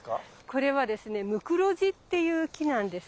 これはですねムクロジっていう木なんです。